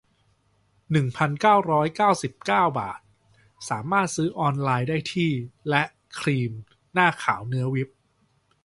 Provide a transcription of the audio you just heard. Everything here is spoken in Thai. หนึ่งพันเก้าร้อยเก้าสิบเก้า บาท สามารถซื้อออนไลน์ได้ที่ และ ครีมหน้าขาวเนื้อวิป